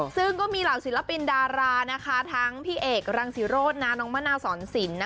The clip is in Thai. ซึ่งก็มีหลายศิลปินดารานะคะทั้งพี่เอกรังศิโรศนะน้องมณาสอนศิลป์นะ